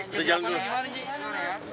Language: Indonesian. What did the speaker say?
kita jalan dulu